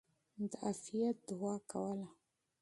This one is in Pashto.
د عافيت دعاء کوله!!.